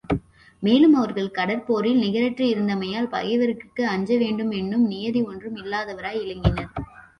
மேலும் அவர்கள் கடற் போரில் நிகரற்று இருந்தமையால், பகைவர்கட்கு அஞ்சவேண்டு மென்னும் நியதி ஒன்றும் இல்லாதவராய் இலங்கினர்.